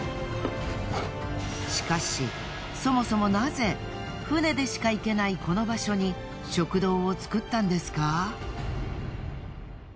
しかしそもそもナゼ船でしか行けないこの場所に食堂を作ったんですか？